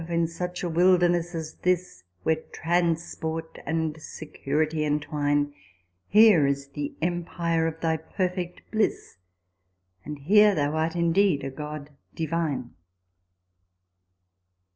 in such a wilderness as this, Where transport and security entwine, Here is the empire of thy perfect bliss, And here thou art indeed a god^ divine